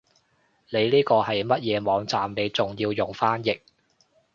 你呢個係乜嘢網站你仲要用翻譯